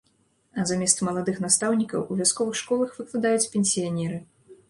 А замест маладых настаўнікаў у вясковых школах выкладаюць пенсіянеры.